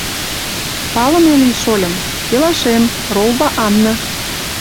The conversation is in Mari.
— Палыме лий, шольым: пелашем — роува Анна.